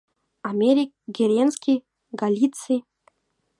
— Америк, Керенски, Галитси.